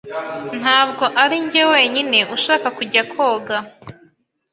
Ntabwo arinjye wenyine ushaka kujya koga.